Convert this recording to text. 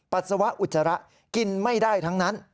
ปัสสาวะอุจจาระกินไม่ได้ทั้งนั้น